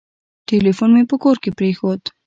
ټلیفون مي په کور کي پرېښود .